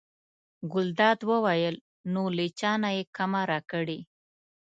ګلداد وویل: نو له چا نه یې کمه راکړې.